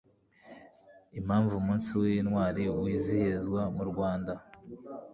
impamvu umunsi w'intwari wizihizwa mu rwanda